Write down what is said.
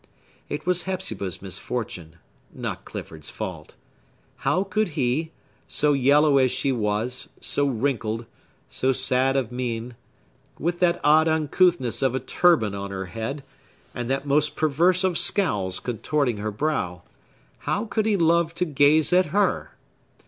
It was Hepzibah's misfortune,—not Clifford's fault. How could he,—so yellow as she was, so wrinkled, so sad of mien, with that odd uncouthness of a turban on her head, and that most perverse of scowls contorting her brow,—how could he love to gaze at her?